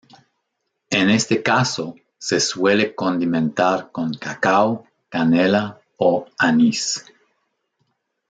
En este caso, se suele condimentar con cacao, canela o anís.